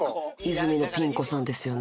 泉のピン子さんですよね